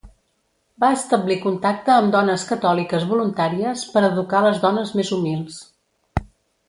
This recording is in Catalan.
Va establir contacte amb dones catòliques voluntàries per educar les dones més humils.